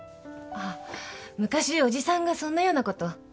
あぁ昔伯父さんがそんなようなことを。